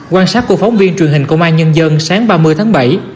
quan sát của phóng viên truyền hình của mai nhân dân sáng ba mươi tháng bảy